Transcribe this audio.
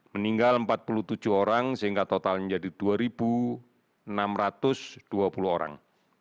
meninggal empat puluh tujuh orang sehingga totalnya menjadi dua enam ratus dua puluh orang